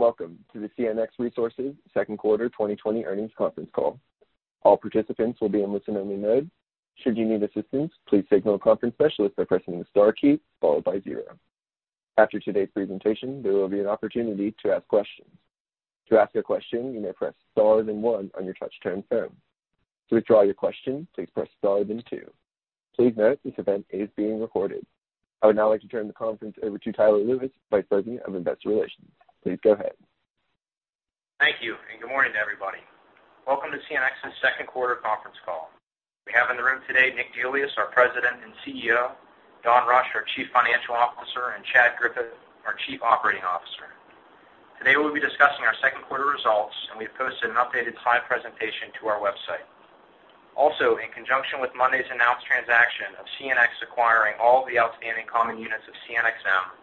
Good day, and welcome to the CNX Resources Q2 2020 earnings conference call. All participants will be in listen-only mode. Should you need assistance, please signal a conference specialist by pressing the star key followed by zero. After today's presentation, there will be an opportunity to ask questions. To ask a question, you may press star then one on your touchtone phone. To withdraw your question, please press star then two. Please note this event is being recorded. I would now like to turn the conference over to Tyler Lewis, Vice President of Investor Relations. Please go ahead. Thank you. Good morning, everybody. Welcome to CNX's Q2 conference call. We have in the room today Nick DeIuliis, our President and CEO, Don Rush, our Chief Financial Officer, and Chad Griffith, our Chief Operating Officer. Today we will be discussing our Q2 results, and we have posted an updated slide presentation to our website. Also, in conjunction with Monday's announced transaction of CNX acquiring all the outstanding common units of CNXM,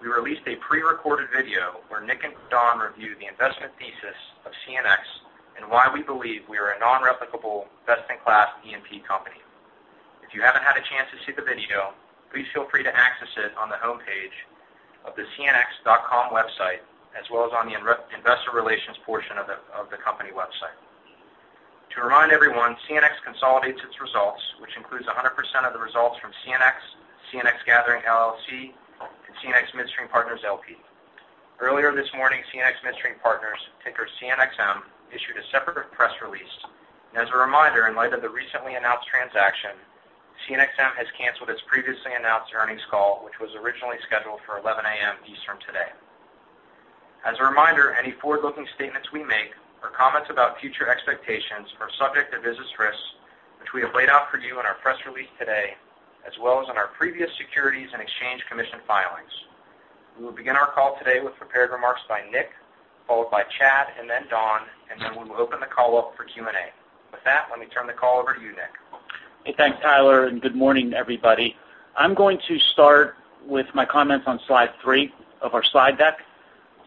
we released a pre-recorded video where Nick and Don review the investment thesis of CNX and why we believe we are a non-replicable, best-in-class E&P company. If you haven't had a chance to see the video, please feel free to access it on the homepage of the cnx.com website, as well as on the investor relations portion of the company website. To remind everyone, CNX consolidates its results, which includes 100% of the results from CNX Gathering LLC, and CNX Midstream Partners LP. Earlier this morning, CNX Midstream Partners, ticker CNXM, issued a separate press release. As a reminder, in light of the recently announced transaction, CNXM has canceled its previously announced earnings call, which was originally scheduled for 11:00 A.M. Eastern today. As a reminder, any forward-looking statements we make or comments about future expectations are subject to business risks, which we have laid out for you in our press release today, as well as in our previous Securities and Exchange Commission filings. We will begin our call today with prepared remarks by Nick, followed by Chad, and then Don, and then we will open the call up for Q&A. With that, let me turn the call over to you, Nick. Hey, thanks, Tyler, and good morning, everybody. I'm going to start with my comments on slide three of our slide deck.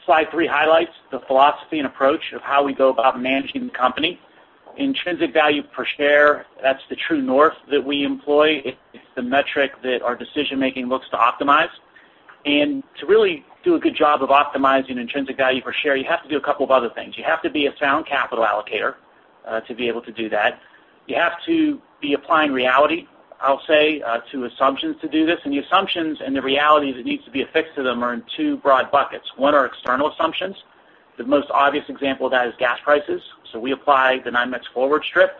Slide three highlights the philosophy and approach of how we go about managing the company. Intrinsic value per share, that's the true north that we employ. It's the metric that our decision-making looks to optimize. To really do a good job of optimizing intrinsic value per share, you have to do a couple of other things. You have to be a sound capital allocator, to be able to do that. You have to be applying reality, I'll say, to assumptions to do this. The assumptions and the realities that needs to be affixed to them are in two broad buckets. One are external assumptions. The most obvious example of that is gas prices. We apply the nine-month forward strip,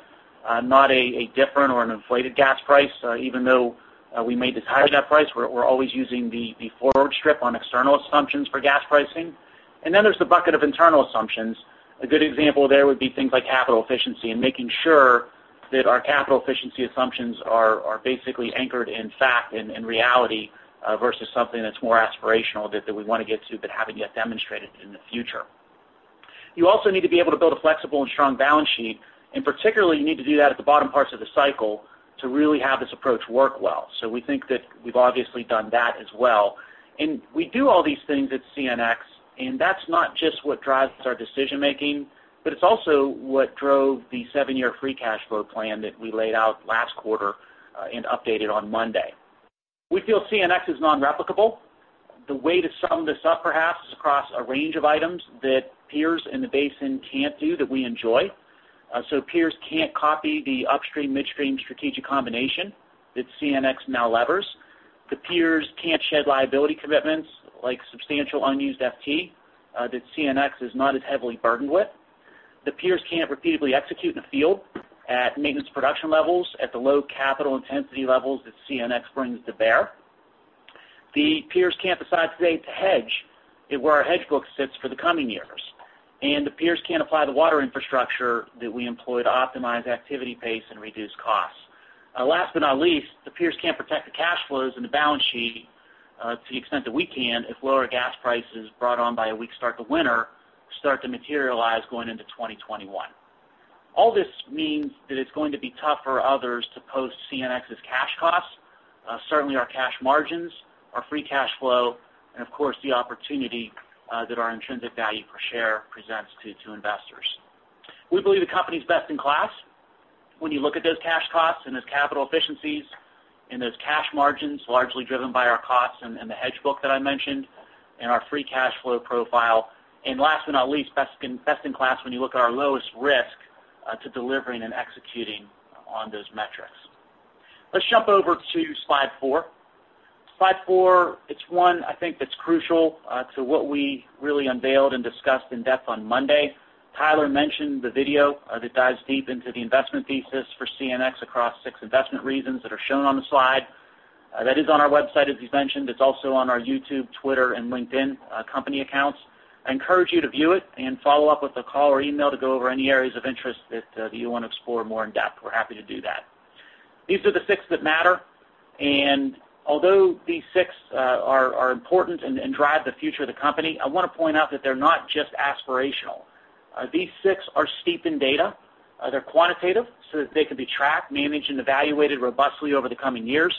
not a different or an inflated gas price. Even though we may desire that price, we're always using the forward strip on external assumptions for gas pricing. Then there's the bucket of internal assumptions. A good example there would be things like capital efficiency and making sure that our capital efficiency assumptions are basically anchored in fact and in reality, versus something that's more aspirational that we want to get to but haven't yet demonstrated in the future. You also need to be able to build a flexible and strong balance sheet, and particularly you need to do that at the bottom parts of the cycle to really have this approach work well. We think that we've obviously done that as well. We do all these things at CNX, and that's not just what drives our decision-making, but it's also what drove the seven-year free cash flow plan that we laid out last quarter, and updated on Monday. We feel CNX is non-replicable. The way to sum this up perhaps is across a range of items that peers in the basin can't do that we enjoy. Peers can't copy the upstream midstream strategic combination that CNX now levers. The peers can't shed liability commitments like substantial unused FT, that CNX is not as heavily burdened with. The peers can't repeatedly execute in the field at maintenance production levels at the low capital intensity levels that CNX brings to bear. The peers can't decide today to hedge where our hedge book sits for the coming years. The peers can't apply the water infrastructure that we employ to optimize activity pace and reduce costs. Last but not least, the peers can't protect the cash flows and the balance sheet, to the extent that we can if lower gas prices brought on by a weak start to winter start to materialize going into 2021. All this means that it's going to be tough for others to post CNX's cash costs, certainly our cash margins, our free cash flow, and of course, the opportunity that our intrinsic value per share presents to investors. We believe the company's best in class when you look at those cash costs and those capital efficiencies and those cash margins largely driven by our costs and the hedge book that I mentioned and our free cash flow profile. Last but not least, best in class when you look at our lowest risk, to delivering and executing on those metrics. Let's jump over to slide four. Slide four, it's one I think that's crucial to what we really unveiled and discussed in depth on Monday. Tyler mentioned the video that dives deep into the investment thesis for CNX across six investment reasons that are shown on the slide. That is on our website, as he's mentioned. It's also on our YouTube, Twitter, and LinkedIn company accounts. I encourage you to view it and follow up with a call or email to go over any areas of interest that you want to explore more in-depth. We're happy to do that. These are the six that matter. Although these six are important and drive the future of the company, I want to point out that they're not just aspirational. These six are steeped in data. They're quantitative so that they can be tracked, managed, and evaluated robustly over the coming years.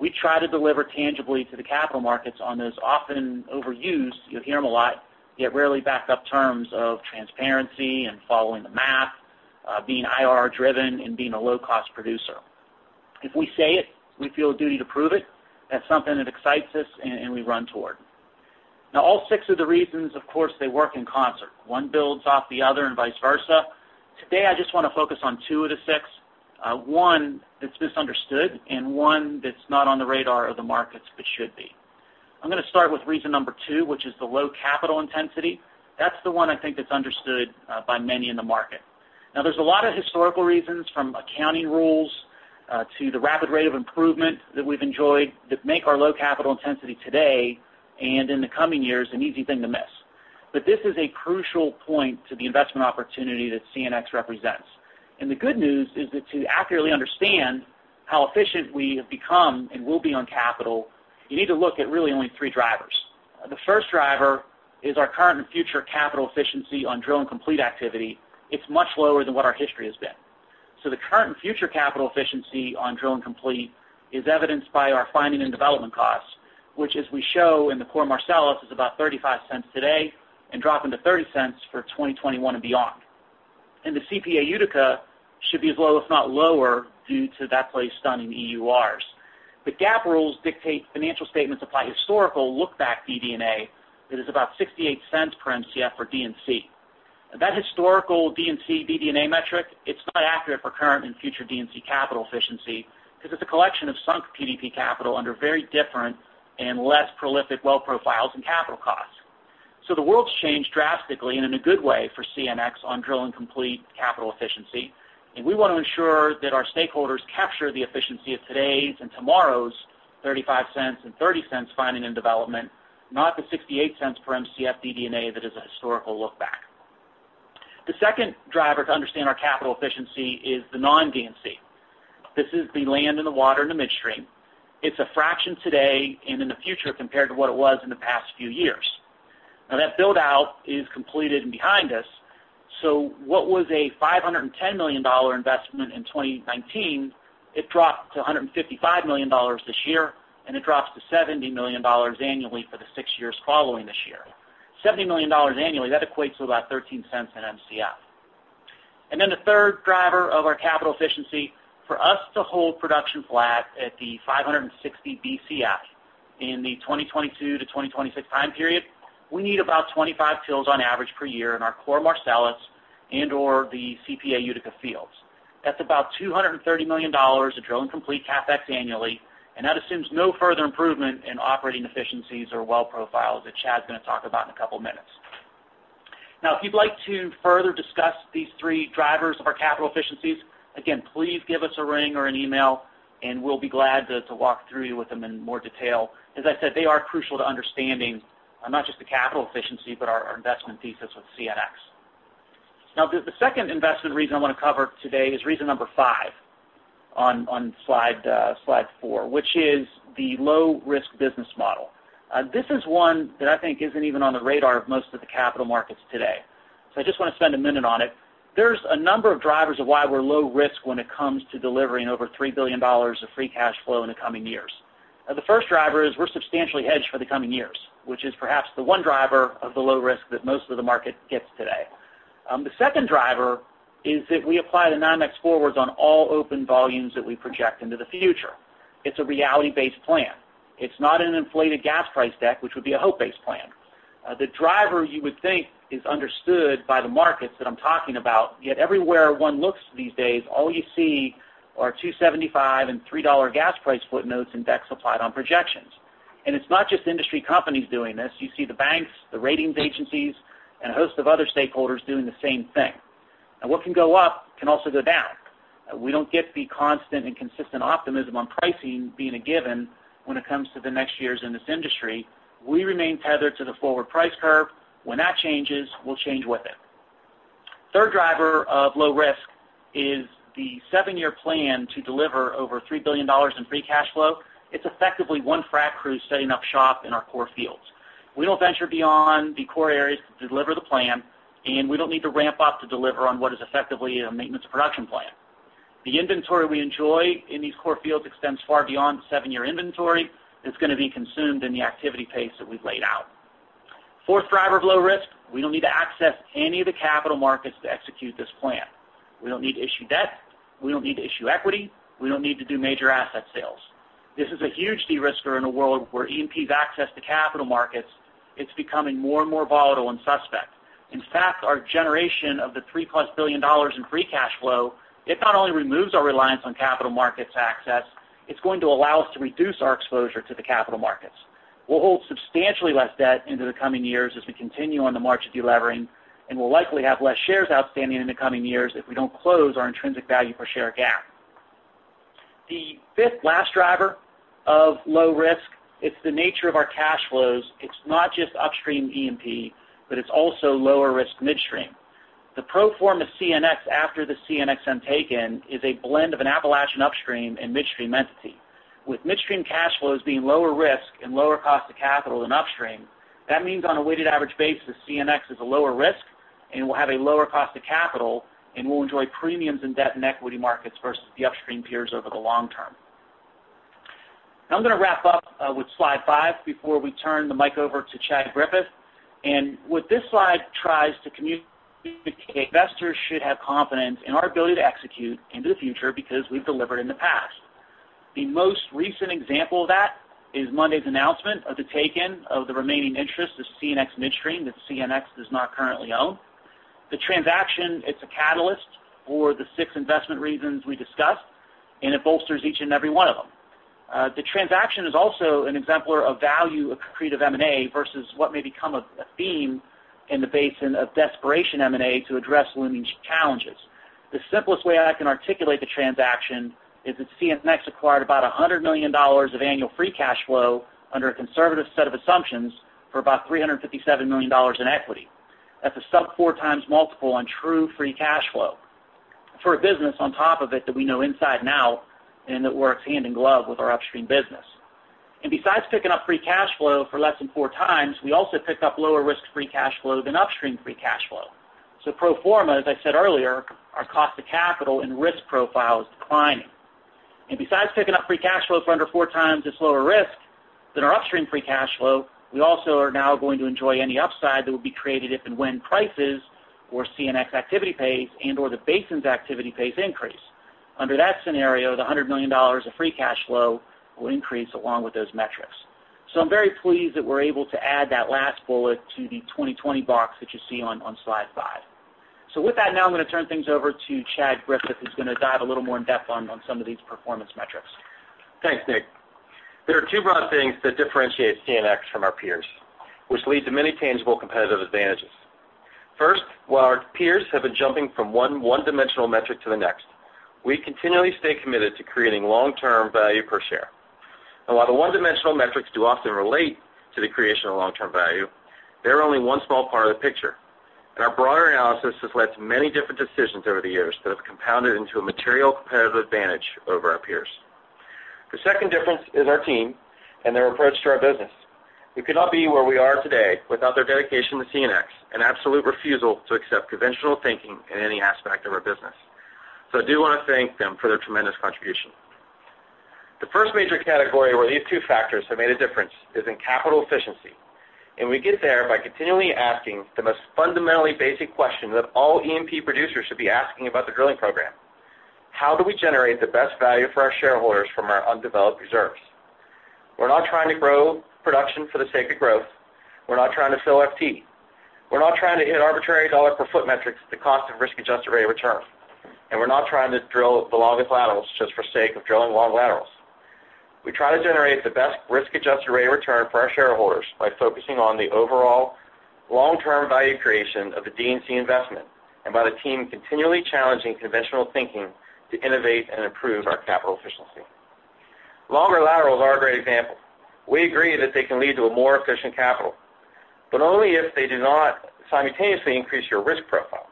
We try to deliver tangibly to the capital markets on those often overused, you'll hear them a lot, yet rarely backed up terms of transparency and following the math, being IRR driven and being a low-cost producer. If we say it, we feel a duty to prove it. That's something that excites us, and we run toward. All six of the reasons, of course, they work in concert. One builds off the other and vice versa. Today, I just want to focus on two of the six. One that's misunderstood and one that's not on the radar of the markets, but should be. I'm going to start with reason number two, which is the low capital intensity. That's the one I think that's understood by many in the market. There's a lot of historical reasons, from accounting rules to the rapid rate of improvement that we've enjoyed that make our low capital intensity today and in the coming years an easy thing to miss. This is a crucial point to the investment opportunity that CNX represents. The good news is that to accurately understand how efficient we have become and will be on capital, you need to look at really only three drivers. The first driver is our current and future capital efficiency on drill and complete activity. It's much lower than what our history has been. The current and future capital efficiency on drill and complete is evidenced by our finding and development costs, which, as we show in the core Marcellus, is about $0.35 today and dropping to $0.30 for 2021 and beyond. The CPA Utica should be as low, if not lower, due to that play's stunning EURs. The GAAP rules dictate financial statements apply historical lookback DD&A that is about $0.68 per Mcf for D&C. That historical D&C DD&A metric, it's not accurate for current and future D&C capital efficiency because it's a collection of sunk PDP capital under very different and less prolific well profiles and capital costs. The world's changed drastically and in a good way for CNX on drill and complete capital efficiency, and we want to ensure that our stakeholders capture the efficiency of today's and tomorrow's $0.35 and $0.30 finding and development, not the $0.68 per Mcf DD&A that is a historical lookback. The second driver to understand our capital efficiency is the non-D&C. This is the land and the water and the midstream. It's a fraction today and in the future compared to what it was in the past few years. That build-out is completed and behind us. What was a $510 million investment in 2019, it dropped to $155 million this year, and it drops to $70 million annually for the six years following this year. $70 million annually, that equates to about $0.13 an Mcf. Then the third driver of our capital efficiency, for us to hold production flat at the 560 Bcf in the 2022 to 2026 time period, we need about 25 fills on average per year in our core Marcellus and/or the SWPA Utica fields. That's about $230 million of drill and complete CapEx annually, and that assumes no further improvement in operating efficiencies or well profiles that Chad's gonna talk about in a couple of minutes. Now, if you'd like to further discuss these three drivers of our capital efficiencies, again, please give us a ring or an email, and we'll be glad to walk through with them in more detail. As I said, they are crucial to understanding not just the capital efficiency, but our investment thesis with CNX. The second investment reason I want to cover today is reason number five on slide four, which is the low-risk business model. This is one that I think isn't even on the radar of most of the capital markets today. I just want to spend a minute on it. There's a number of drivers of why we're low risk when it comes to delivering over $3 billion of free cash flow in the coming years. The first driver is we're substantially hedged for the coming years, which is perhaps the one driver of the low risk that most of the market gets today. The second driver is that we apply the NYMEX forwards on all open volumes that we project into the future. It's a reality-based plan. It's not an inflated gas price deck, which would be a hope-based plan. The driver you would think is understood by the markets that I'm talking about, yet everywhere one looks these days, all you see are $2.75 and $3 gas price footnotes and decks applied on projections. It's not just industry companies doing this. You see the banks, the ratings agencies, and a host of other stakeholders doing the same thing. What can go up can also go down. We don't get the constant and consistent optimism on pricing being a given when it comes to the next years in this industry. We remain tethered to the forward price curve. When that changes, we'll change with it. Third driver of low risk is the seven-year plan to deliver over $3 billion in free cash flow. It's effectively one frac crew setting up shop in our core fields. We don't venture beyond the core areas to deliver the plan, and we don't need to ramp up to deliver on what is effectively a maintenance production plan. The inventory we enjoy in these core fields extends far beyond seven-year inventory that's gonna be consumed in the activity pace that we've laid out. Fourth driver of low risk, we don't need to access any of the capital markets to execute this plan. We don't need to issue debt. We don't need to issue equity. We don't need to do major asset sales. This is a huge de-risker in a world where E&P's access to capital markets, it's becoming more and more volatile and suspect. In fact, our generation of the $3+ billion in free cash flow, it not only removes our reliance on capital markets access, it's going to allow us to reduce our exposure to the capital markets. We'll hold substantially less debt into the coming years as we continue on the march of delevering, and we'll likely have less shares outstanding in the coming years if we don't close our intrinsic value per share gap. The fifth last driver of low risk, it's the nature of our cash flows. It's not just upstream E&P, but it's also lower-risk midstream. The pro forma CNX after the CNXM taken in is a blend of an Appalachian upstream and midstream entity. With midstream cash flows being lower risk and lower cost of capital than upstream, that means on a weighted average basis, CNX is a lower risk and will have a lower cost of capital and will enjoy premiums in debt and equity markets versus the upstream peers over the long term. I'm going to wrap up with slide five before we turn the mic over to Chad Griffith. What this slide tries to communicate, investors should have confidence in our ability to execute into the future because we've delivered in the past. The most recent example of that is Monday's announcement of the take-in of the remaining interest of CNX Midstream that CNX does not currently own. The transaction, it's a catalyst for the six investment reasons we discussed, and it bolsters each and every one of them. The transaction is also an exemplar of value accretive M&A versus what may become a theme in the basin of desperation M&A to address looming challenges. The simplest way I can articulate the transaction is that CNX acquired about $100 million of annual free cash flow under a conservative set of assumptions for about $357 million in equity. That's a sub 4x multiple on true free cash flow for a business on top of it that we know inside and out and that works hand in glove with our upstream business. Besides picking up free cash flow for less than 4x, we also picked up lower risk-free cash flow than upstream free cash flow. Pro forma, as I said earlier, our cost of capital and risk profile is declining. Besides picking up free cash flow for under 4x this lower risk than our upstream free cash flow, we also are now going to enjoy any upside that would be created if and when prices or CNX activity pace and/or the basin's activity pace increase. Under that scenario, the $100 million of free cash flow will increase along with those metrics. I'm very pleased that we're able to add that last bullet to the 2020 box that you see on slide five. With that, now I'm going to turn things over to Chad Griffith, who's going to dive a little more in-depth on some of these performance metrics. Thanks, Nick. There are two broad things that differentiate CNX from our peers, which lead to many tangible competitive advantages. First, while our peers have been jumping from one one-dimensional metric to the next, we continually stay committed to creating long-term value per share. While the one-dimensional metrics do often relate to the creation of long-term value, they are only one small part of the picture, and our broader analysis has led to many different decisions over the years that have compounded into a material competitive advantage over our peers. The second difference is our team and their approach to our business. We could not be where we are today without their dedication to CNX and absolute refusal to accept conventional thinking in any aspect of our business. I do want to thank them for their tremendous contribution. The first major category where these two factors have made a difference is in capital efficiency, and we get there by continually asking the most fundamentally basic question that all E&P producers should be asking about the drilling program. How do we generate the best value for our shareholders from our undeveloped reserves? We're not trying to grow production for the sake of growth. We're not trying to fill FT. We're not trying to hit arbitrary dollar per foot metrics at the cost of risk-adjusted rate of return, and we're not trying to drill the longest laterals just for sake of drilling long laterals. We try to generate the best risk-adjusted rate of return for our shareholders by focusing on the overall long-term value creation of the D&C investment and by the team continually challenging conventional thinking to innovate and improve our capital efficiency. Longer laterals are a great example. We agree that they can lead to a more efficient capital, but only if they do not simultaneously increase your risk profile.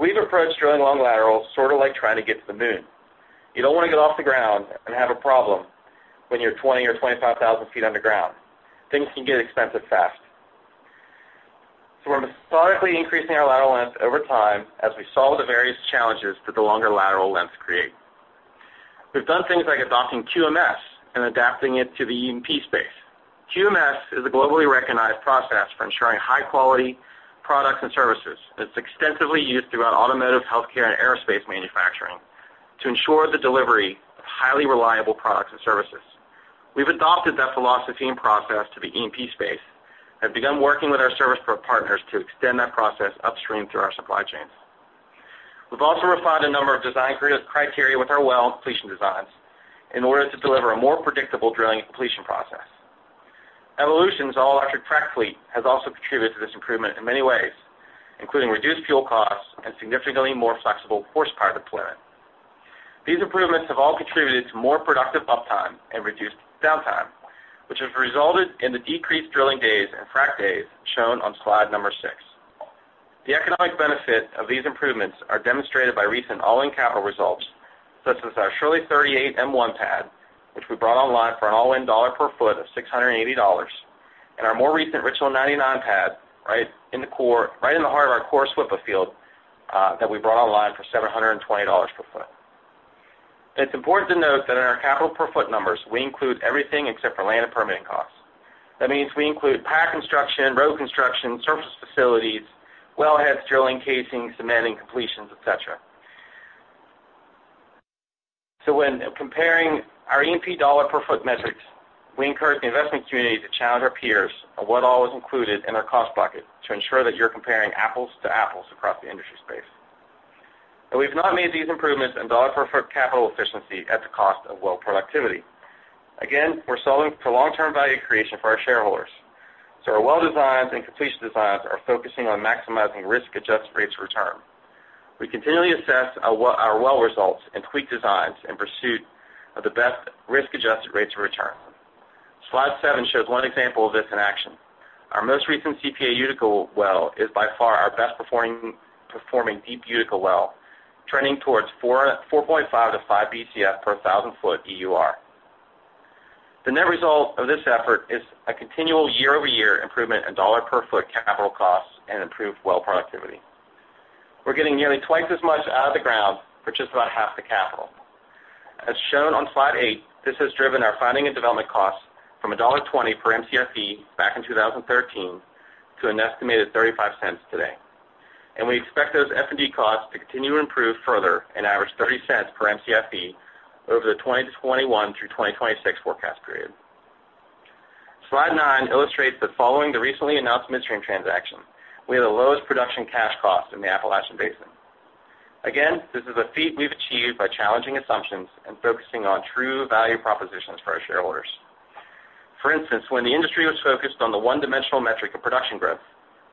We've approached drilling long laterals sort of like trying to get to the moon. You don't want to get off the ground and have a problem when you're 20,000 or 25,000 feet underground. Things can get expensive fast. We're methodically increasing our lateral length over time as we solve the various challenges that the longer lateral lengths create. We've done things like adopting QMS and adapting it to the E&P space. QMS is a globally recognized process for ensuring high-quality products and services, and it's extensively used throughout automotive, healthcare, and aerospace manufacturing to ensure the delivery of highly reliable products and services. We've adopted that philosophy and process to the E&P space and have begun working with our service partners to extend that process upstream through our supply chains. We've also refined a number of design criteria with our well completion designs in order to deliver a more predictable drilling and completion process. Evolution's all-electric frac fleet has also contributed to this improvement in many ways, including reduced fuel costs and significantly more flexible horsepower deployment. These improvements have all contributed to more productive uptime and reduced downtime, which has resulted in the decreased drilling days and frac days shown on slide number six. The economic benefit of these improvements are demonstrated by recent all-in capital results, such as our Shirley 38 M1 pad, which we brought online for an all-in dollar per foot of $680, and our more recent RHL 99 pad, right in the heart of our core SWPA field, that we brought online for $720 per foot. It's important to note that in our capital per foot numbers, we include everything except for land and permitting costs. That means we include pad construction, road construction, surface facilities, wellheads, drilling, casing, cementing, completions, et cetera. When comparing our E&P dollar per foot metrics, we encourage the investment community to challenge our peers on what all is included in our cost bucket to ensure that you're comparing apples to apples across the industry space. We've not made these improvements in dollar per foot capital efficiency at the cost of well productivity. Again, we're solving for long-term value creation for our shareholders. Our well designs and completion designs are focusing on maximizing risk-adjusted rates of return. We continually assess our well results and tweak designs in pursuit of the best risk-adjusted rates of return. Slide seven shows one example of this in action. Our most recent CPA Utica well is by far our best performing deep Utica well, trending towards 4.5-5 Bcf per 1,000-foot EUR. The net result of this effort is a continual year-over-year improvement in dollar per foot capital costs and improved well productivity. We're getting nearly twice as much out of the ground for just about half the capital. As shown on slide eight, this has driven our finding and development costs from $1.20 per Mcfe back in 2013 to an estimated $0.35 today. We expect those F&D costs to continue to improve further and average $0.30 per Mcfe over the 2021 through 2026 forecast period. Slide nine illustrates that following the recently announced midstream transaction, we have the lowest production cash cost in the Appalachian Basin. Again, this is a feat we've achieved by challenging assumptions and focusing on true value propositions for our shareholders. For instance, when the industry was focused on the one-dimensional metric of production growth,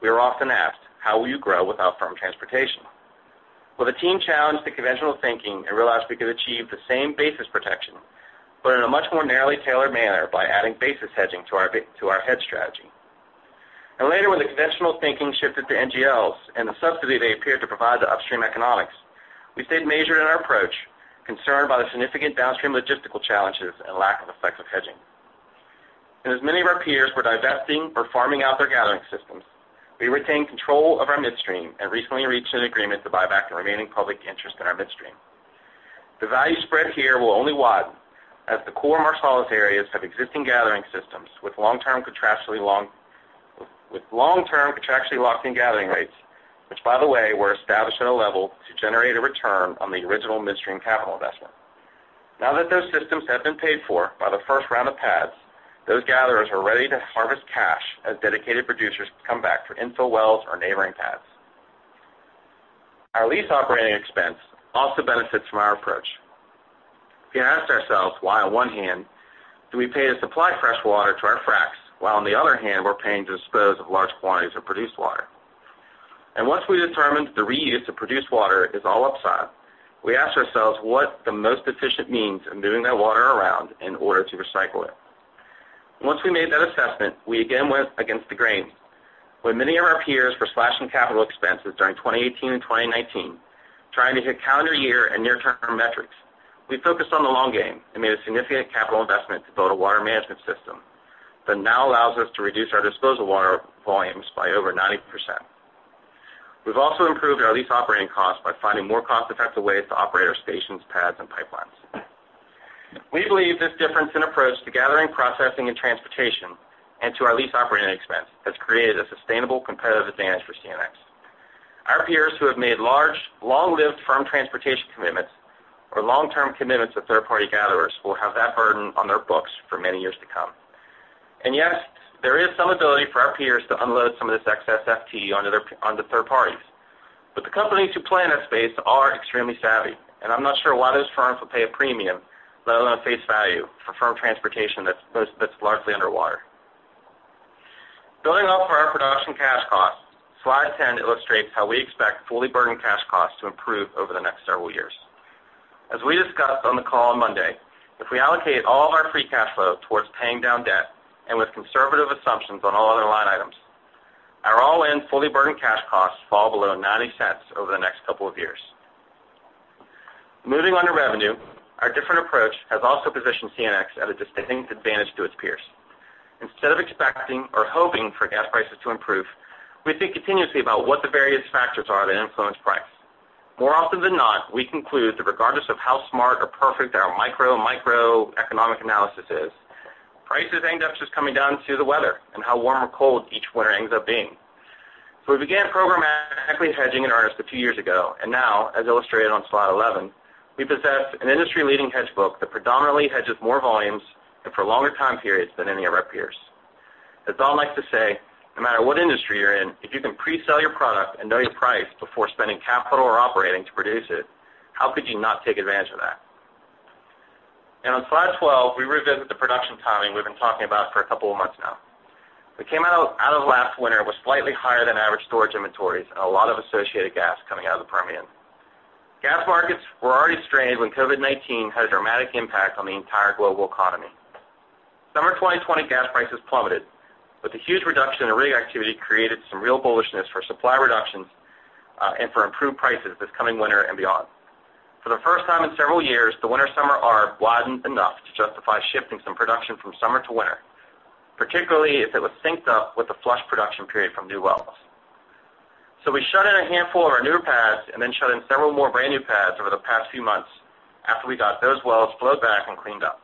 we were often asked, "How will you grow without firm transportation?" The team challenged the conventional thinking and realized we could achieve the same basis protection, but in a much more narrowly tailored manner by adding basis hedging to our hedge strategy. Later, when the conventional thinking shifted to NGLs and the subsidy they appeared to provide to upstream economics, we stayed measured in our approach, concerned by the significant downstream logistical challenges and lack of effective hedging. As many of our peers were divesting or farming out their gathering systems, we retained control of our midstream and recently reached an agreement to buy back the remaining public interest in our midstream. The value spread here will only widen as the core Marcellus areas have existing gathering systems with long-term contractually locked-in gathering rates, which, by the way, were established at a level to generate a return on the original midstream capital investment. Now that those systems have been paid for by the first round of pads, those gatherers are ready to harvest cash as dedicated producers come back for infill wells or neighboring pads. Our lease operating expense also benefits from our approach. We asked ourselves why on one hand do we pay to supply fresh water to our fracs, while on the other hand, we're paying to dispose of large quantities of produced water. Once we determined the reuse of produced water is all upside, we asked ourselves what the most efficient means of moving that water around in order to recycle it. Once we made that assessment, we again went against the grain. When many of our peers were slashing capital expenses during 2018 and 2019, trying to hit calendar year and near-term metrics, we focused on the long game and made a significant capital investment to build a water management system that now allows us to reduce our disposal water volumes by over 90%. We've also improved our lease operating cost by finding more cost-effective ways to operate our stations, pads, and pipelines. We believe this difference in approach to gathering, processing, and transportation, and to our lease operating expense, has created a sustainable competitive advantage for CNX. Our peers who have made large, long-lived firm transportation commitments or long-term commitments with third-party gatherers will have that burden on their books for many years to come. Yes, there is some ability for our peers to unload some of this excess FT onto third parties. The companies who play in that space are extremely savvy, and I'm not sure why those firms would pay a premium, let alone face value, for firm transportation that's largely underwater. Building off our production cash costs, slide 10 illustrates how we expect fully burdened cash costs to improve over the next several years. As we discussed on the call on Monday, if we allocate all of our free cash flow towards paying down debt and with conservative assumptions on all other line items, our all-in fully burdened cash costs fall below $0.90 over the next couple of years. Moving on to revenue, our different approach has also positioned CNX at a distinct advantage to its peers. Instead of expecting or hoping for gas prices to improve, we think continuously about what the various factors are that influence price. More often than not, we conclude that regardless of how smart or perfect our micro, microeconomic analysis is, prices end up just coming down to the weather and how warm or cold each winter ends up being. We began programmatically hedging in earnest a few years ago, and now, as illustrated on slide 11, we possess an industry-leading hedge book that predominantly hedges more volumes and for longer time periods than any of our peers. As Don likes to say, no matter what industry you're in, if you can pre-sell your product and know your price before spending capital or operating to produce it, how could you not take advantage of that? On slide 12, we revisit the production timing we've been talking about for a couple of months now. We came out of last winter with slightly higher than average storage inventories and a lot of associated gas coming out of the Permian. Gas markets were already strained when COVID-19 had a dramatic impact on the entire global economy. Summer 2020 gas prices plummeted, the huge reduction in rig activity created some real bullishness for supply reductions, and for improved prices this coming winter and beyond. For the first time in several years, the winter-summer arb widened enough to justify shifting some production from summer to winter, particularly if it was synced up with the flush production period from new wells. We shut in a handful of our newer pads and then shut in several more brand-new pads over the past few months after we got those wells flowed back and cleaned up.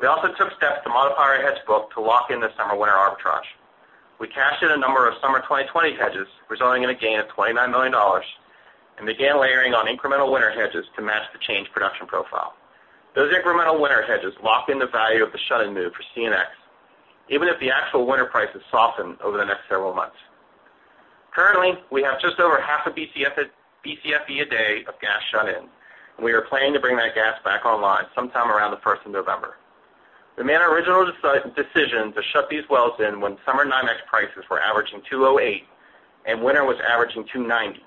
We also took steps to modify our hedge book to lock in the summer-winter arbitrage. We cashed in a number of summer 2020 hedges, resulting in a gain of $29 million, and began layering on incremental winter hedges to match the changed production profile. Those incremental winter hedges lock in the value of the shut-in move for CNX, even if the actual winter prices soften over the next several months. Currently, we have just over half a BCFE a day of gas shut in, and we are planning to bring that gas back online sometime around the first of November. We made our original decision to shut these wells in when summer NYMEX prices were averaging $2.08 and winter was averaging $2.90.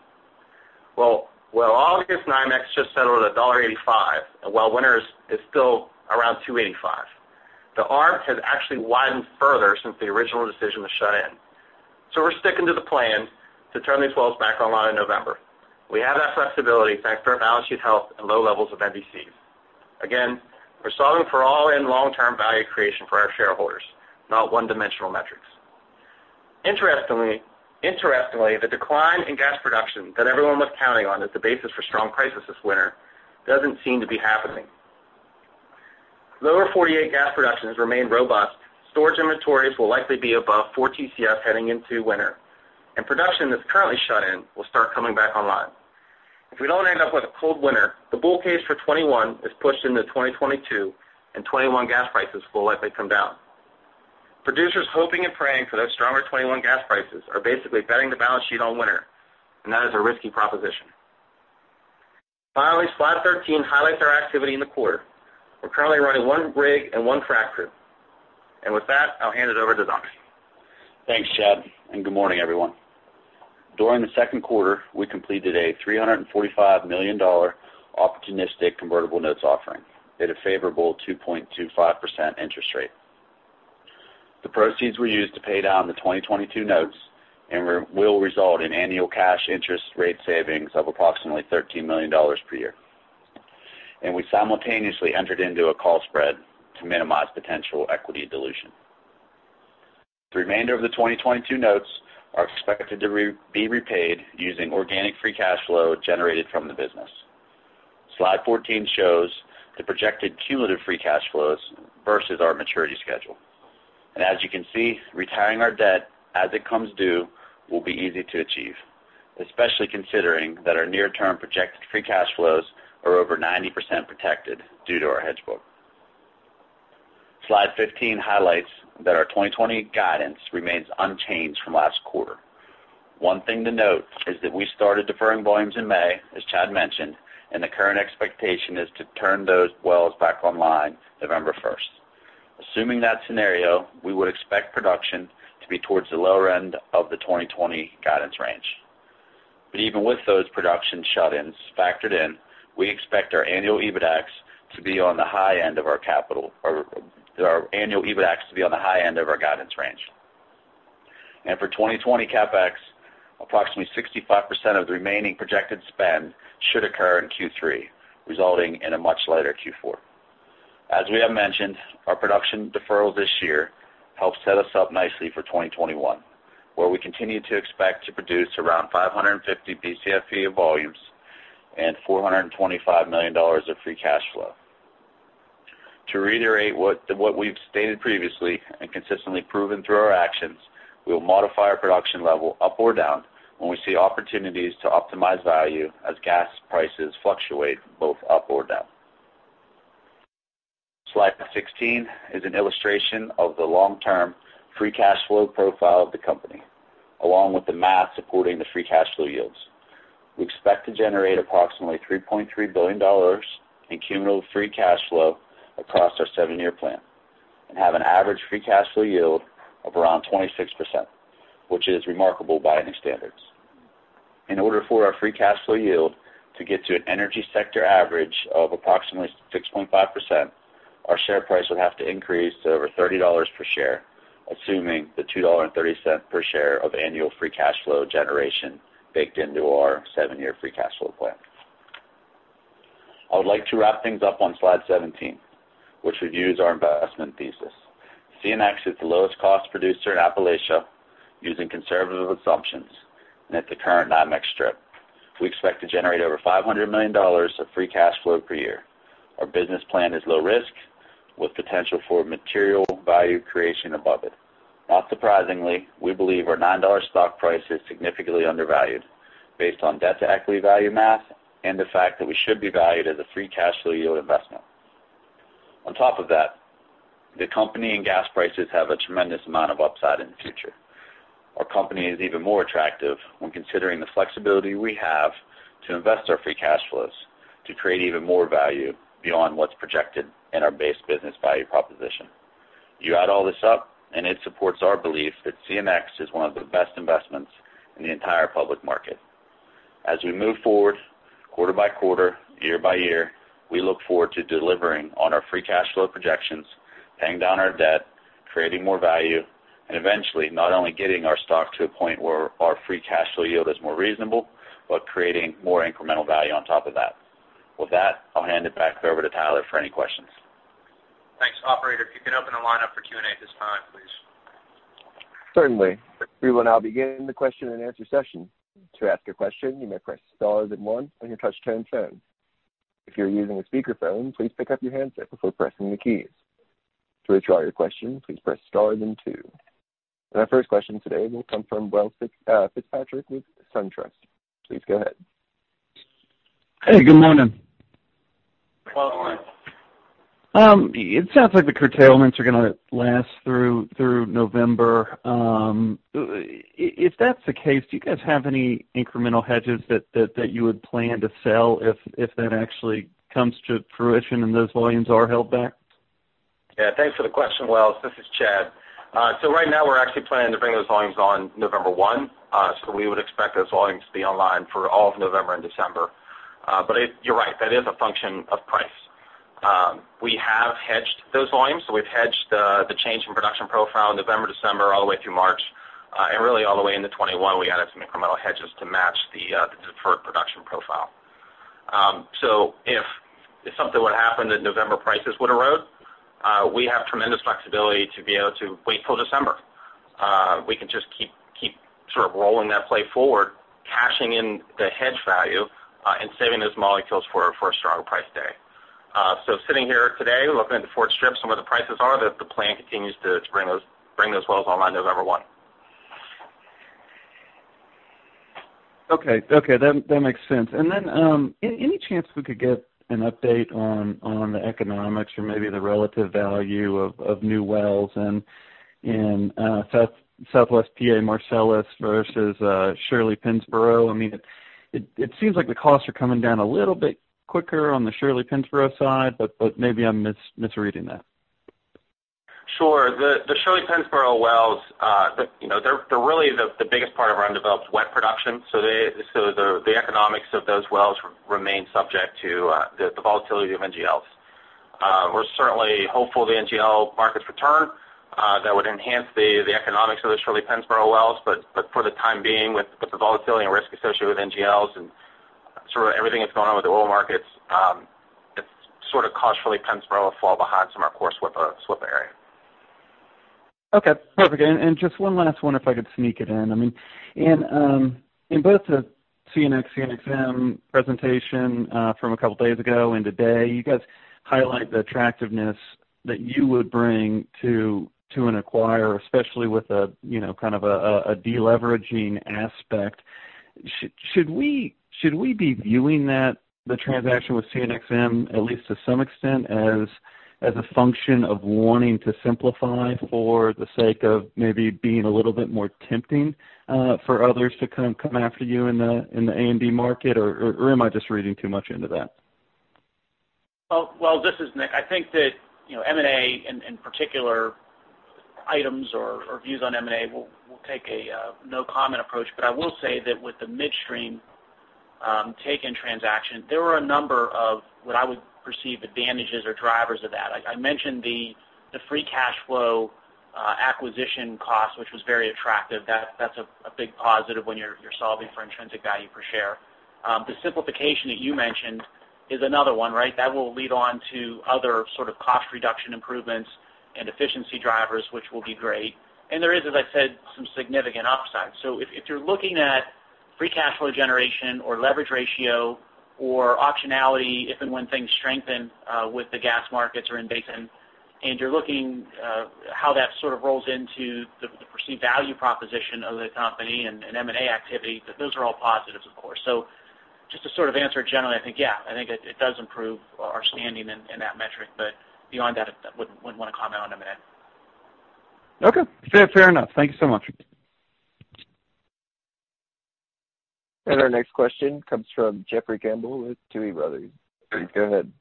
Well, August NYMEX just settled at $1.85, and while winter is still around $2.85. The arb has actually widened further since the original decision to shut in. We're sticking to the plan to turn these wells back online in November. We have that flexibility thanks to our balance sheet health and low levels of MVCs. We're solving for all in long-term value creation for our shareholders, not one-dimensional metrics. Interestingly, the decline in gas production that everyone was counting on as the basis for strong prices this winter doesn't seem to be happening. Lower 48 gas productions remain robust. Storage inventories will likely be above four TCF heading into winter, and production that's currently shut in will start coming back online. If we don't end up with a cold winter, the bull case for 2021 is pushed into 2022, and 2021 gas prices will likely come down. Producers hoping and praying for those stronger 2021 gas prices are basically betting the balance sheet on winter. That is a risky proposition. Finally, slide 13 highlights our activity in the quarter. We're currently running one rig and one frac crew. With that, I'll hand it over to Don. Thanks, Chad, and good morning, everyone. During the `Q2 we completed a $345 million opportunistic convertible notes offering at a favorable 2.25% interest rate. The proceeds were used to pay down the 2022 notes and will result in annual cash interest rate savings of approximately $13 million per year. We simultaneously entered into a call spread to minimize potential equity dilution. The remainder of the 2022 notes are expected to be repaid using organic free cash flow generated from the business. Slide 14 shows the projected cumulative free cash flows versus our maturity schedule. As you can see, retiring our debt as it comes due will be easy to achieve, especially considering that our near-term projected free cash flows are over 90% protected due to our hedge book. Slide 15 highlights that our 2020 guidance remains unchanged from last quarter. One thing to note is that we started deferring volumes in May, as Chad mentioned, and the current expectation is to turn those wells back online November 1st. Assuming that scenario, we would expect production to be towards the lower end of the 2020 guidance range. Even with those production shut-ins factored in, we expect our annual EBITDAX to be on the high end of our guidance range. For 2020 CapEx, approximately 65% of the remaining projected spend should occur in Q3, resulting in a much lighter Q4. As we have mentioned, our production deferral this year helps set us up nicely for 2021, where we continue to expect to produce around 550 Bcf of volumes and $425 million of free cash flow. To reiterate what we've stated previously and consistently proven through our actions, we will modify our production level up or down when we see opportunities to optimize value as gas prices fluctuate both up or down. Slide 16 is an illustration of the long-term free cash flow profile of the company, along with the math supporting the free cash flow yields. We expect to generate approximately $3.3 billion in cumulative free cash flow across our seven-year plan and have an average free cash flow yield of around 26%, which is remarkable by any standards. In order for our free cash flow yield to get to an energy sector average of approximately 6.5%, our share price would have to increase to over $30 per share, assuming the $2.30 per share of annual free cash flow generation baked into our seven-year free cash flow plan. I would like to wrap things up on slide 17, which reviews our investment thesis. CNX is the lowest cost producer in Appalachia using conservative assumptions and at the current NYMEX strip. We expect to generate over $500 million of free cash flow per year. Our business plan is low risk with potential for material value creation above it. Not surprisingly, we believe our $9 stock price is significantly undervalued based on debt-to-equity value math and the fact that we should be valued as a free cash flow yield investment. On top of that, the company and gas prices have a tremendous amount of upside in the future. Our company is even more attractive when considering the flexibility we have to invest our free cash flows to create even more value beyond what's projected in our base business value proposition. You add all this up, and it supports our belief that CNX is one of the best investments in the entire public market. As we move forward quarter by quarter, year by year, we look forward to delivering on our free cash flow projections, paying down our debt, creating more value, and eventually not only getting our stock to a point where our free cash flow yield is more reasonable, but creating more incremental value on top of that. With that, I'll hand it back over to Tyler for any questions. Thanks. Operator, if you could open the lineup for Q&A at this time, please. Certainly. We will now begin the question and answer session. To ask a question, you may press star then one on your touchtone phone. If you're using a speakerphone, please pick up your handset before pressing the keys. To withdraw your question, please press star then two. Our first question today will come from Welles Fitzpatrick with Truist. Please go ahead. Hey, good morning. Good morning. It sounds like the curtailments are going to last through November. If that's the case, do you guys have any incremental hedges that you would plan to sell if that actually comes to fruition and those volumes are held back? Yeah, thanks for the question, Welles. This is Chad. Right now, we're actually planning to bring those volumes on November 1. We would expect those volumes to be online for all of November and December. You're right. That is a function of price. We have hedged those volumes. We've hedged the change in production profile November, December, all the way through March. Really all the way into 2021, we added some incremental hedges to match the deferred production profile. If something were to happen that November prices would erode, we have tremendous flexibility to be able to wait till December. We can just keep sort of rolling that play forward, cashing in the hedge value, and saving those molecules for a stronger price day. Sitting here today, looking at the forward strips and where the prices are, the plan continues to bring those wells online November one. Okay. That makes sense. Any chance we could get an update on the economics or maybe the relative value of new wells in Southwest PA Marcellus versus Shirley-Pennsboro? It seems like the costs are coming down a little bit quicker on the Shirley-Pennsboro side, but maybe I'm misreading that. Sure. The Shirley-Pennsboro wells, they're really the biggest part of our undeveloped wet production. The economics of those wells remain subject to the volatility of NGLs. We're certainly hopeful the NGL markets return. That would enhance the economics of the Shirley-Pennsboro wells. For the time being, with the volatility and risk associated with NGLs and sort of everything that's going on with the oil markets, it's sort of caused Shirley-Pennsboro to fall behind some of our core SWPA area. Okay, perfect. Just one last one, if I could sneak it in. In both the CNX, CNXM presentation from a couple of days ago and today, you guys highlight the attractiveness that you would bring to an acquire, especially with a kind of a de-leveraging aspect. Should we be viewing the transaction with CNXM at least to some extent, as a function of wanting to simplify for the sake of maybe being a little bit more tempting for others to come after you in the A&D market? Am I just reading too much into that? Well, this is Nick. I think that M&A, in particular items or views on M&A, we'll take a no-comment approach. I will say that with the midstream take-in transaction, there were a number of what I would perceive advantages or drivers of that. I mentioned the free cash flow acquisition cost, which was very attractive. That's a big positive when you're solving for intrinsic value per share. The simplification that you mentioned is another one, right? That will lead on to other sort of cost reduction improvements and efficiency drivers, which will be great. There is, as I said, some significant upside. If you're looking at free cash flow generation or leverage ratio or optionality, if and when things strengthen with the gas markets or in basin, and you're looking how that sort of rolls into the perceived value proposition of the company and M&A activity, those are all positives, of course. Just to sort of answer generally, I think, yeah. I think it does improve our standing in that metric. Beyond that, wouldn't want to comment on M&A. Okay. Fair enough. Thank you so much. Our next question comes from Jeffrey Campbell with Tuohy Brothers. Please go ahead.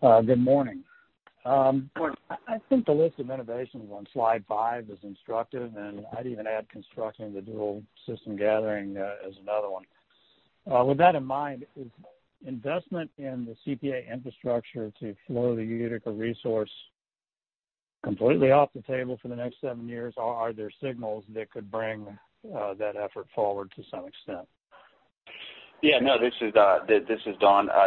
Good morning. Good morning. I think the list of innovations on slide five is instructive, and I'd even add constructing the dual system gathering as another one. With that in mind, is investment in the CPA infrastructure to flow the Utica resource completely off the table for the next seven years? Are there signals that could bring that effort forward to some extent? No, this is Don.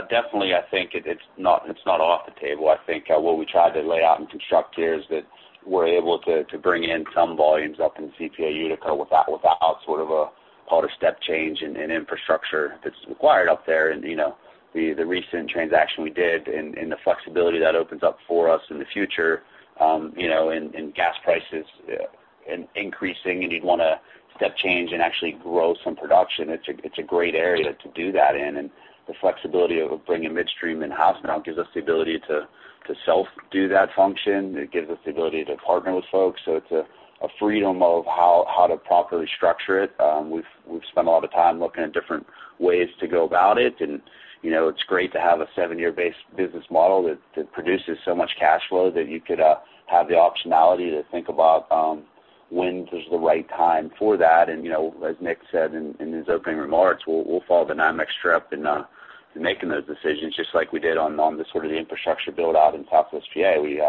Definitely, I think it's not off the table. I think what we tried to lay out and construct here is that we're able to bring in some volumes up in CPA Utica without sort of a step change in infrastructure that's required up there. The recent transaction we did and the flexibility that opens up for us in the future, and gas prices increasing and you'd want to step change and actually grow some production. It's a great area to do that in. The flexibility of bringing midstream in-house now gives us the ability to self-do that function. It gives us the ability to partner with folks. It's a freedom of how to properly structure it. We've spent a lot of time looking at different ways to go about it. It's great to have a seven-year base business model that produces so much cash flow that you could have the optionality to think about when is the right time for that. As Nick said in his opening remarks, we'll follow the dynamics trap in making those decisions, just like we did on the sort of the infrastructure build-out in Southwest PA. We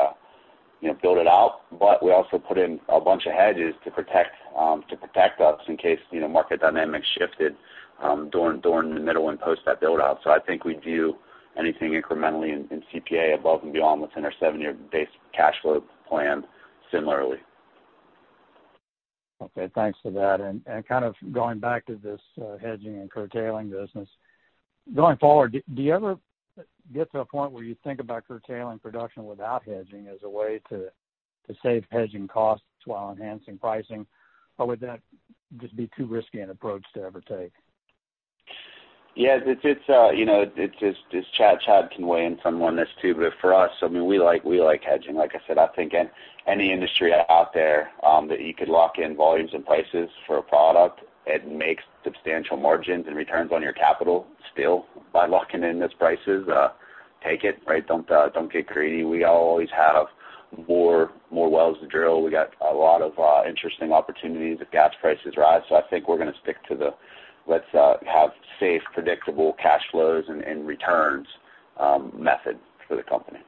build it out, we also put in a bunch of hedges to protect us in case market dynamics shifted during the middle and post that build-out. I think we view anything incrementally in SWPA above and beyond what's in our seven-year base cash flow plan similarly. Okay, thanks for that. Kind of going back to this hedging and curtailing business. Going forward, do you ever get to a point where you think about curtailing production without hedging as a way to save hedging costs while enhancing pricing? Would that just be too risky an approach to ever take? Yeah. Chad can weigh in some on this too, but for us, we like hedging. Like I said, I think any industry out there that you could lock in volumes and prices for a product and make substantial margins and returns on your capital still by locking in those prices, take it. Right? Don't get greedy. We always have more wells to drill. We got a lot of interesting opportunities that gas prices rise. I think we're going to stick to the let's have safe, predictable cash flows and returns method for the company.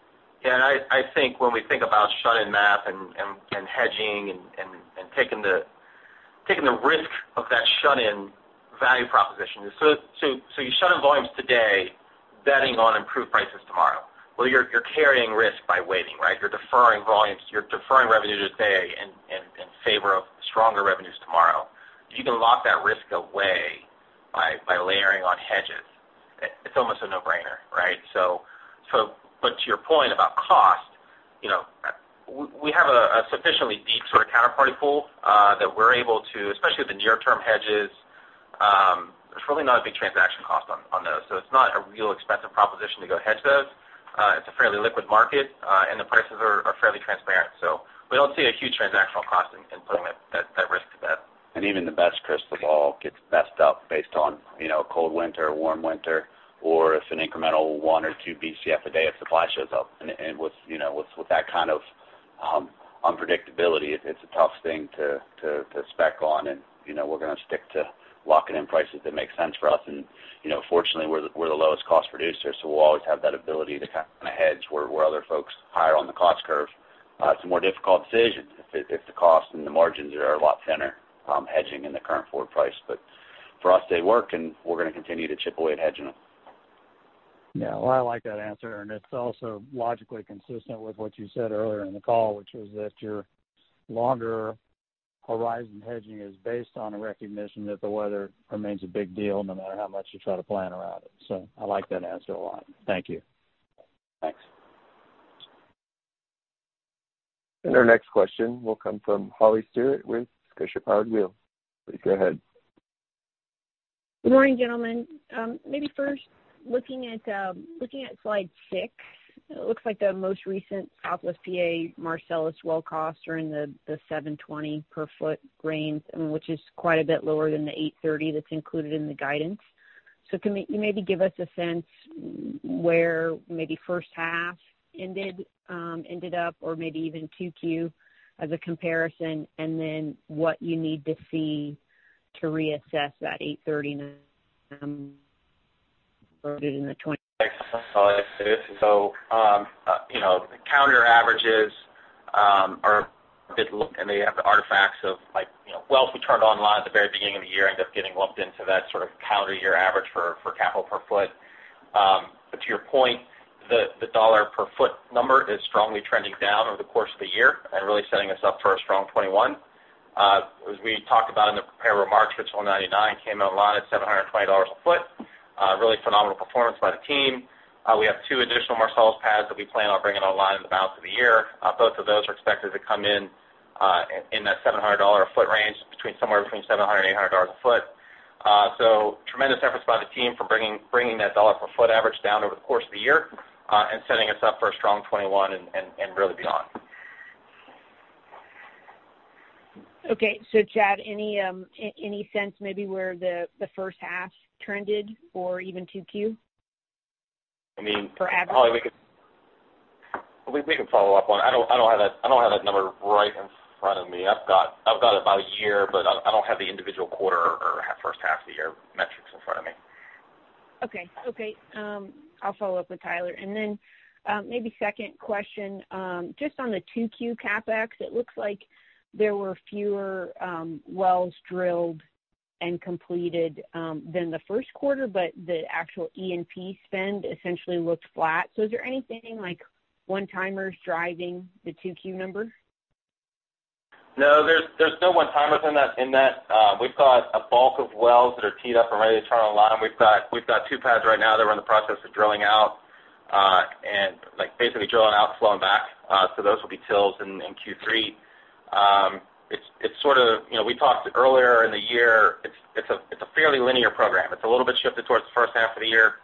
I think when we think about shut-in math and hedging and taking the risk of that shut-in value proposition. You shut in volumes today betting on improved prices tomorrow. Well, you're carrying risk by waiting, right? You're deferring volumes, you're deferring revenue today in favor of stronger revenues tomorrow. If you can lock that risk away by layering on hedges, it's almost a no-brainer, right? To your point about cost, we have a sufficiently deep sort of counterparty pool, that we're able to, especially with the near-term hedges, there's really not a big transaction cost on those. It's not a real expensive proposition to go hedge those. It's a fairly liquid market, and the prices are fairly transparent. We don't see a huge transactional cost in putting that risk to bed. Even the best crystal ball gets messed up based on cold winter or warm winter, or if an incremental one or two Bcf a day of supply shows up. With that kind of unpredictability, it's a tough thing to spec on, and we're going to stick to locking in prices that make sense for us. Fortunately, we're the lowest cost producer, so we'll always have that ability to hedge where other folks higher on the cost curve, it's a more difficult decision if the cost and the margins are a lot thinner hedging in the current forward price. For us, they work, and we're going to continue to chip away at hedging them. Yeah. Well, I like that answer. It's also logically consistent with what you said earlier in the call, which was that your longer horizon hedging is based on a recognition that the weather remains a big deal no matter how much you try to plan around it. I like that answer a lot. Thank you. Thanks. Our next question will come from Holly Stewart with Scotia Howard Weil. Please go ahead. Good morning, gentlemen. Maybe first looking at slide six. It looks like the most recent SWPA Marcellus well costs are in the $720 per foot range, which is quite a bit lower than the $830 that's included in the guidance. Can you maybe give us a sense where maybe first half ended up, or maybe even 2Q as a comparison, and then what you need to see to reassess that $839? [inaudible] The calendar averages are a good look, and they have the artifacts of wells we turned online at the very beginning of the year end up getting lumped into that sort of calendar year average for CapEx per foot. To your point, the dollar per foot number is strongly trending down over the course of the year and really setting us up for a strong 2021. As we talked about in the prepared remarks, RHL 99 came online at $720 a foot. A really phenomenal performance by the team. We have two additional Marcellus pads that we plan on bringing online in the balance of the year. Both of those are expected to come in that $700 a foot range, somewhere between $700 and $800 a foot. Tremendous efforts by the team for bringing that dollar per foot average down over the course of the year, and setting us up for a strong 2021 and really beyond. Okay. Chad, any sense maybe where the first half trended or even Q2? I mean- For average. Holly, we can follow up on it. I don't have that number right in front of me. I've got about a year, but I don't have the individual quarter or first half of the year metrics in front of me. Okay. I'll follow up with Tyler. Maybe second question, just on the Q2 CapEx, it looks like there were fewer wells drilled and completed than the first quarter, but the actual E&P spend essentially looked flat. Is there anything like one-timers driving the Q2 numbers? No, there's no one-timers in that. We've got a bulk of wells that are teed up and ready to turn online. We've got two pads right now that we're in the process of drilling out, and basically drilling out, flowing back. Those will be TILs in Q3. We talked earlier in the year, it's a fairly linear program. It's a little bit shifted towards the first half of the year.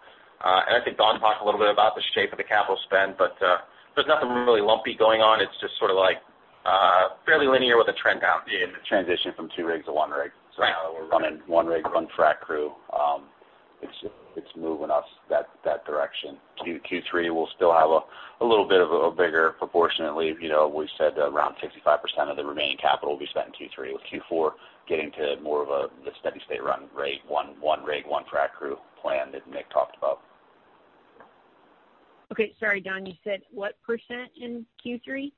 I think Don talked a little bit about the shape of the capital spend, but there's nothing really lumpy going on. It's just fairly linear with a trend down. The transition from two rigs to one rig. Right. Now that we're running one rig, one frac crew, it's moving us that direction. Q3 will still have a little bit of a bigger proportionately. We've said around 65% of the remaining capital will be spent in Q3, with Q4 getting to more of the steady state run rate, one rig, one frac crew plan that Nick talked about. Okay. Sorry, Don, you said what % in Q3?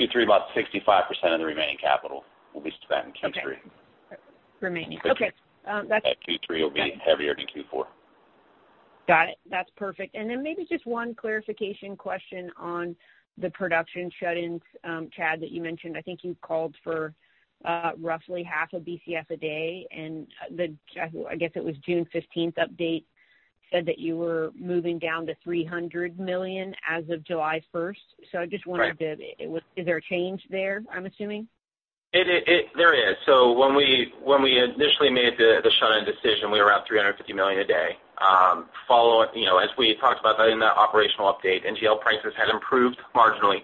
Q3, about 65% of the remaining capital will be spent in Q3. Okay. Remaining. Okay. Q3 will be heavier than Q4. Got it. That's perfect. Maybe just one clarification question on the production shut-ins, Chad, that you mentioned. I think you called for roughly half a Bcf a day, and I guess it was June 15th update said that you were moving down to 300 million as of July 1st. I just wondered. Right Is there a change there, I'm assuming? There is. When we initially made the shut-in decision, we were at 350 million a day. As we had talked about that in the operational update, NGL prices had improved marginally.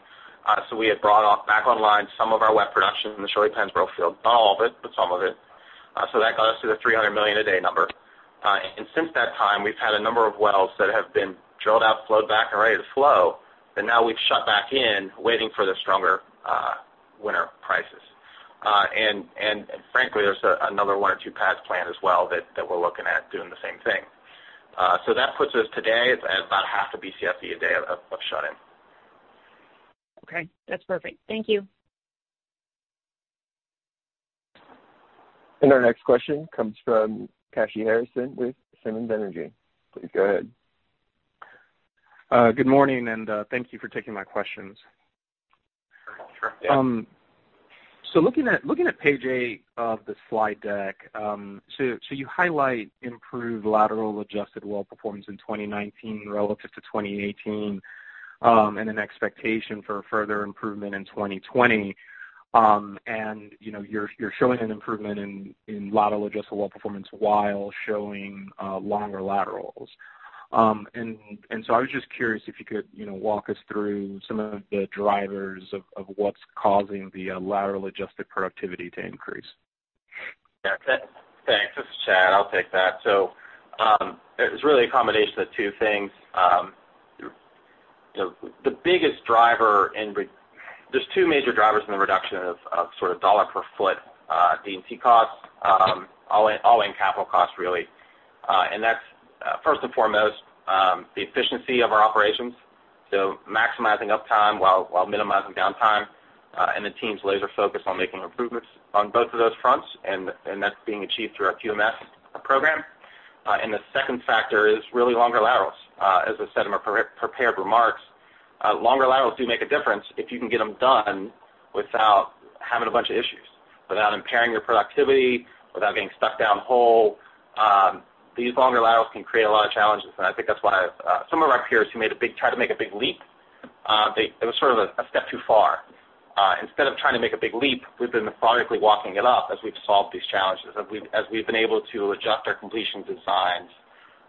We had brought back online some of our wet production in the Shirley-Pennsboro field. Not all of it, but some of it. That got us to the 300 million a day number. Since that time, we've had a number of wells that have been drilled out, flowed back, and ready to flow that now we've shut back in waiting for the stronger winter prices. Frankly, there's another one or two pads planned as well that we're looking at doing the same thing. That puts us today at about 0.5 Bcf a day of shut-in. Okay. That's perfect. Thank you. Our next question comes from Kashy Harrison with Simmons Energy. Please go ahead. Good morning, and thank you for taking my questions. Sure. Yeah. Looking at page eight of the slide deck, so you highlight improved lateral adjusted well performance in 2019 relative to 2018, and an expectation for further improvement in 2020. You're showing an improvement in lateral adjusted well performance while showing longer laterals. I was just curious if you could walk us through some of the drivers of what's causing the lateral adjusted productivity to increase. Yeah. Thanks. This is Chad. I'll take that. It was really a combination of two things. There's two major drivers in the reduction of dollar per foot D&C costs, all in capital costs, really. That's, first and foremost, the efficiency of our operations. Maximizing uptime while minimizing downtime, the team's laser-focused on making improvements on both of those fronts. That's being achieved through our QMS program. The second factor is really longer laterals. As I said in my prepared remarks, longer laterals do make a difference if you can get them done without having a bunch of issues, without impairing your productivity, without getting stuck down hole. These longer laterals can create a lot of challenges, I think that's why some of our peers who tried to make a big leap, it was sort of a step too far. Instead of trying to make a big leap, we've been methodically walking it up as we've solved these challenges, as we've been able to adjust our completion designs,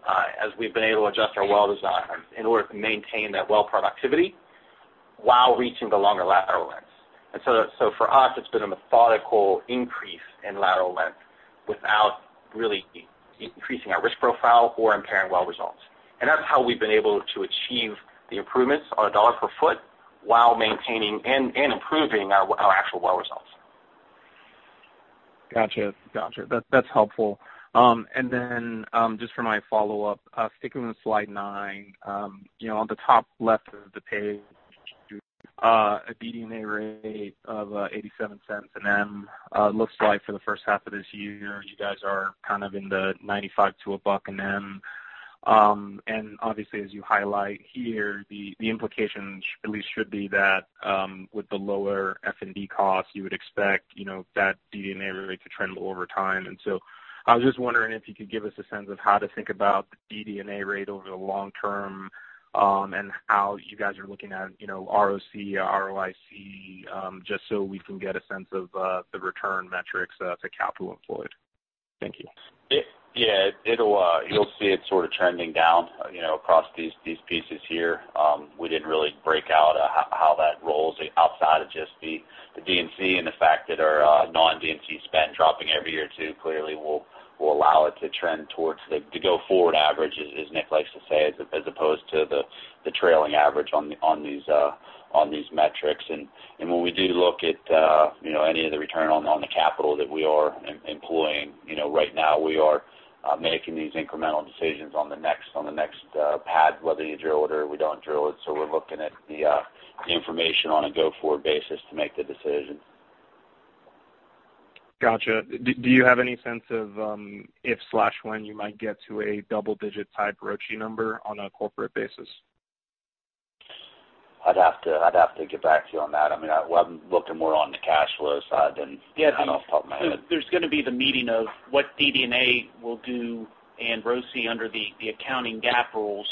as we've been able to adjust our well designs in order to maintain that well productivity while reaching the longer lateral lengths. For us, it's been a methodical increase in lateral length without really increasing our risk profile or impairing well results. That's how we've been able to achieve the improvements on a dollar per foot while maintaining and improving our actual well results. Got you. That's helpful. Just for my follow-up, sticking with slide nine, on the top left of the page, a DD&A rate of $0.87 an Mcf. It looks like for the first half of this year, you guys are in the $0.95 to $1 an Mcf. Obviously, as you highlight here, the implications at least should be that with the lower F&D costs, you would expect that DD&A rate to trend over time. I was just wondering if you could give us a sense of how to think about the DD&A rate over the long term, and how you guys are looking at ROC or ROIC, just so we can get a sense of the return metrics to capital employed. Thank you. Yeah. You'll see it sort of trending down across these pieces here. We didn't really break out how that rolls outside of just the D&C and the fact that our non-D&C spend dropping every year too clearly will allow it to trend towards the go-forward average, as Nick likes to say, as opposed to the trailing average on these metrics. When we do look at any of the return on the capital that we are employing right now, we are making these incremental decisions on the next pad, whether we drill it or we don't drill it. We're looking at the information on a go-forward basis to make the decision. Got you. Do you have any sense of if/when you might get to a double-digit type ROCE number on a corporate basis? I'd have to get back to you on that. I've been looking more on the cash flow side. Yeah. I know, off the top of my head. There's going to be the meeting of what DD&A will do and ROCE under the accounting GAAP rules,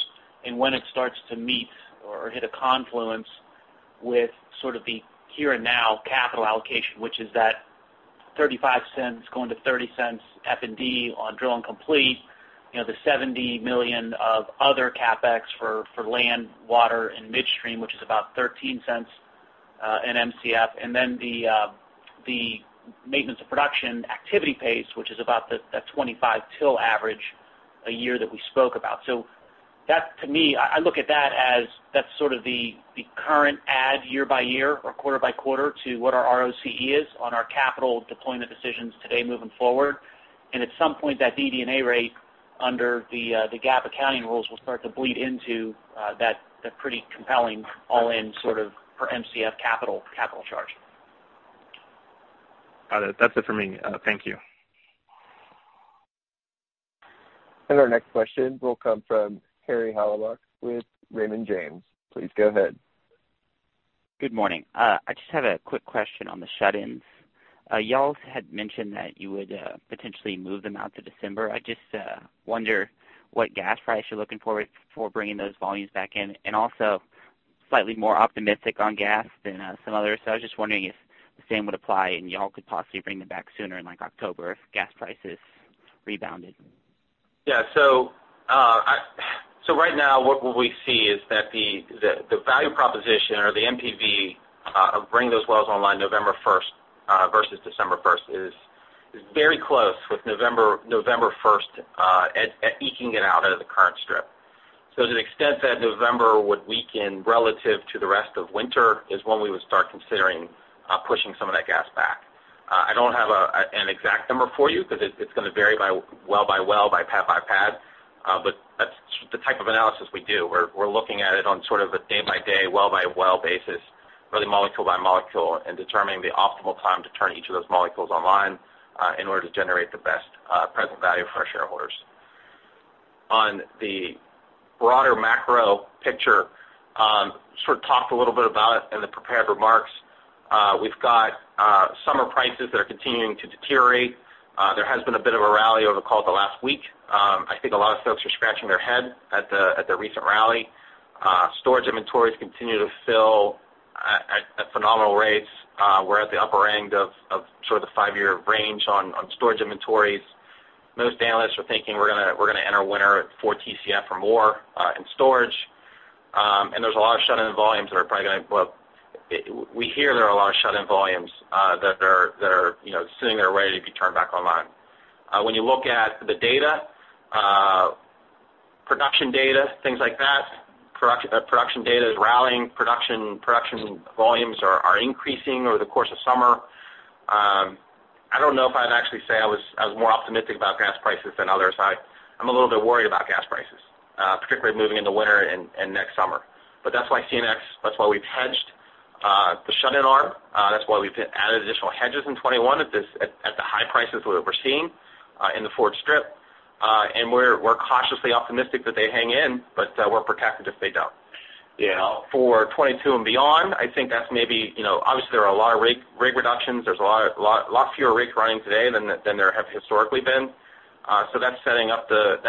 and when it starts to meet or hit a confluence with sort of the here and now capital allocation, which is that $0.35 going to $0.30 F&D on drill and complete, the $70 million of other CapEx for land, water, and midstream, which is about $0.13 an Mcf, and then the maintenance of production activity pace, which is about that 25 TILs average a year that we spoke about. That to me, I look at that as that's sort of the current add year by year or quarter by quarter to what our ROCE is on our capital deployment decisions today moving forward. At some point, that DD&A rate under the GAAP accounting rules will start to bleed into that pretty compelling all-in sort of per Mcf capital charge. Got it. That's it for me. Thank you. Our next question will come from Harry Halbach with Raymond James. Please go ahead. Good morning. I just have a quick question on the shut-ins. You all had mentioned that you would potentially move them out to December. I just wonder what gas price you're looking for before bringing those volumes back in, and also slightly more optimistic on gas than some others. I was just wondering if the same would apply and you all could possibly bring them back sooner in like October if gas prices rebounded. Yeah. Right now, what we see is that the value proposition or the NPV of bringing those wells online November 1st versus December 1st is very close, with November 1st eking it out of the current strip. To the extent that November would weaken relative to the rest of winter is when we would start considering pushing some of that gas back. I don't have an exact number for you because it's going to vary well by well, by pad by pad. That's the type of analysis we do. We're looking at it on sort of a day-by-day, well-by-well basis, really molecule by molecule, and determining the optimal time to turn each of those molecules online in order to generate the best present value for our shareholders. On the broader macro picture, sort of talked a little bit about it in the prepared remarks. We've got summer prices that are continuing to deteriorate. There has been a bit of a rally over call it the last week. I think a lot of folks are scratching their head at the recent rally. Storage inventories continue to fill at phenomenal rates. We're at the upper end of sort of the five-year range on storage inventories. Most analysts are thinking we're going to enter winter at four TCF or more in storage. There's a lot of shut-in volumes that are probably well, we hear there are a lot of shut-in volumes that are sitting there ready to be turned back online. When you look at the data, production data, things like that, production data is rallying. Production volumes are increasing over the course of summer. I don't know if I'd actually say I was more optimistic about gas prices than others. I'm a little bit worried about gas prices, particularly moving into winter and next summer. That's why CNX, that's why we've hedged the shut-in arb. That's why we've added additional hedges in 2021 at the high prices we're seeing in the forward strip. We're cautiously optimistic that they hang in, but we're protected if they don't. For 2022 and beyond, I think that's maybe, obviously, there are a lot of rig reductions. There's a lot fewer rigs running today than there have historically been. That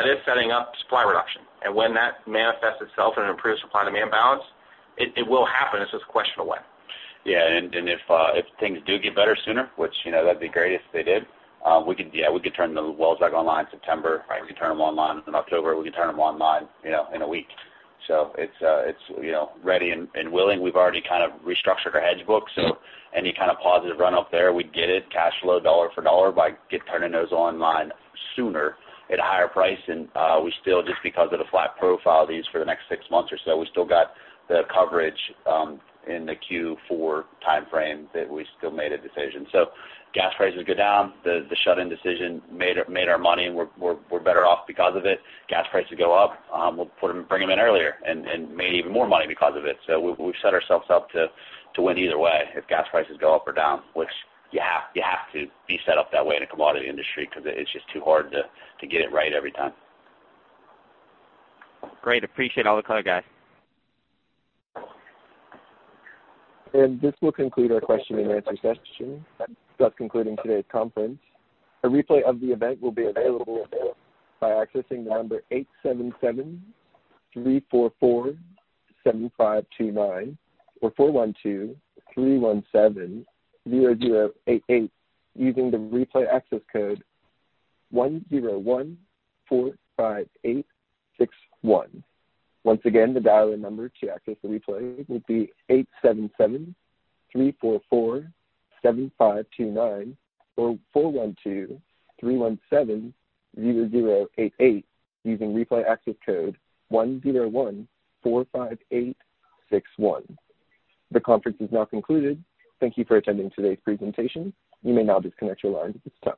is setting up supply reduction. When that manifests itself in an improved supply-demand balance, it will happen. It's just a question of when. Yeah. If things do get better sooner, which that'd be great if they did, we could turn the wells back online September. We could turn them online in October. We could turn them online in a week. It's ready and willing. We've already kind of restructured our hedge book, so any kind of positive run up there, we get it cash flow dollar for dollar by turning those online sooner at a higher price than we still just because of the flat profile of these for the next 6 months or so. We still got the coverage in the Q4 timeframe that we still made a decision. Gas prices go down, the shut-in decision made our money, and we're better off because of it. Gas prices go up, we'll bring them in earlier and made even more money because of it. We've set ourselves up to win either way if gas prices go up or down, which you have to be set up that way in a commodity industry because it's just too hard to get it right every time. Great. Appreciate all the color, guys. This will conclude our question-and-answer session. Thus concluding today's conference. A replay of the event will be available by accessing the number 877-344-7529 or 412-317-0088, using the replay access code 10145861. Once again, the dial-in number to access the replay will be 877-344-7529 or 412-317-0088, using replay access code 10145861. The conference is now concluded. Thank you for attending today's presentation. You may now disconnect your lines at this time.